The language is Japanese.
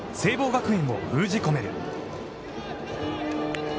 学園を封じ込める。